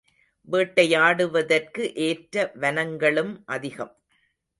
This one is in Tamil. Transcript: வேட்டையாடுவதற்கு ஏற்ற வனங்களும் அதிகம்.